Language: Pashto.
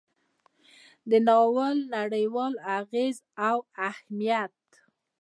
د ناول نړیوال اغیز او اهمیت: